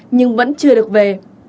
nhưng vẫn chưa được về